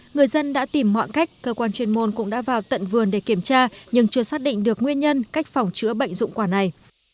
người dân đã tìm mọi cách cơ quan chuyên môn cũng đã vào tận vườn để kiểm tra nhưng chưa xác định được nguyên nhân cách phòng chữa bệnh dụng quả này